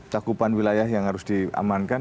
cakupan wilayah yang harus diamankan